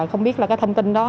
không biết là cái thông tin đó